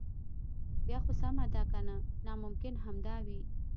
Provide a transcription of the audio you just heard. بیا خو سمه ده کنه ناممکن همدا وي.